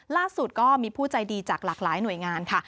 ล่าสุดก็มีผู้ใจดีจากหลากหลายหน่วยงานค่ะ